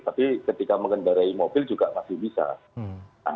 tapi ketika mengendarai mobil juga masih bisa